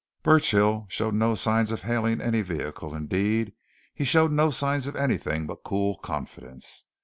Burchill showed no sign of hailing any vehicle; indeed, he showed no sign of anything but cool confidence.